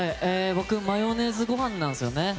マヨネーズご飯なんですね。